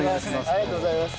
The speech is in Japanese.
ありがとうございます。